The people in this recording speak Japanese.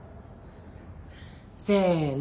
せの！